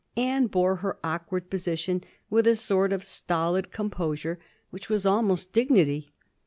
Anne bore her awkward po sition with a sort of stolid composure which was almost dignity.